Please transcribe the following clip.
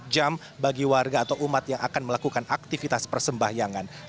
empat jam bagi warga atau umat yang akan melakukan aktivitas persembahyangan